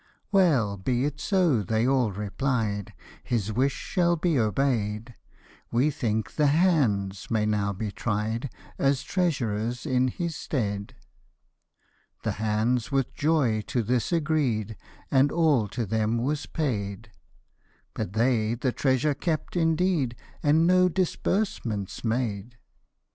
Well, be it so," they all replied ;" His wish shall be obeyM ; We think the hands may now be tried As treasurers in his stead." The hands with joy to this agreed, And all to th^m was paid ; But they the treasure kept indeed, And no disbursements made.